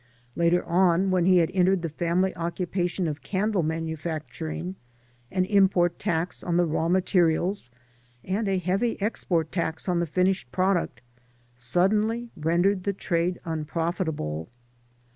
Later on, when he had entered the family occupation of candle manufacturing, an import tax on the raw materials and a heavy export tax on the finished product suddenly rendered the trade unprofitable.